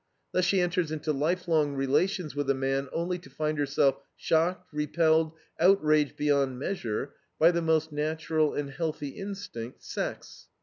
Thus she enters into life long relations with a man only to find herself shocked, repelled, outraged beyond measure by the most natural and healthy instinct, sex.